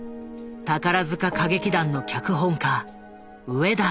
宝塚歌劇団の脚本家植田紳爾。